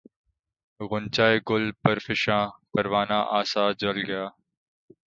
غنچۂ گل پرفشاں پروانہ آسا جل گیا